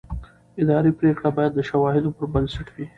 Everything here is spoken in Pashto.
اداري پرېکړه باید د شواهدو پر بنسټ وي.